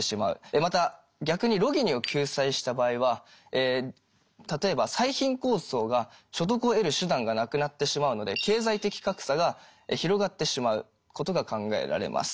また逆にロギニを救済した場合は例えば最貧困層が所得を得る手段がなくなってしまうので経済的格差が広がってしまうことが考えられます。